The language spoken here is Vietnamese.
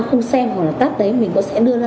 nó không xem hoặc là tắt đấy mình cũng sẽ đưa ra lý do